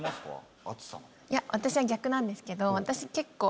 いや私は逆なんですけど私結構。